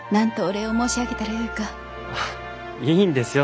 いいんですよ